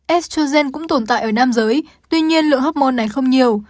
estrogen cũng tồn tại ở nam giới tuy nhiên lượng hormone này không nhiều